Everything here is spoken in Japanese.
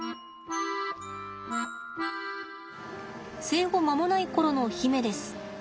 生後間もない頃の媛です。